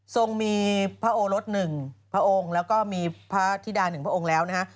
ทรงมีพระโอรส๑พระองค์แล้วก็มีพระธิดา๑พระองค์แล้วนะฮะ